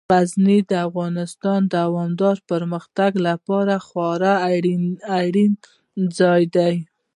غزني د افغانستان د دوامداره پرمختګ لپاره خورا اړین ځای دی.